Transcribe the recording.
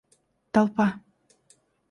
толпа